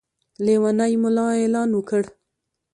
لېونی ملا اعلان وکړ.